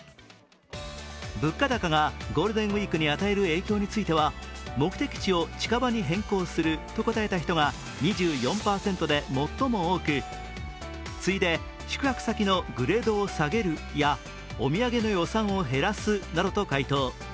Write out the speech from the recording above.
物価高がゴールデンウイークに与える影響については目的地を近場に変更すると答えた人が２４％で最も多く次いで宿泊先のグレードを下げるやお土産の予算を減らすなどと回答。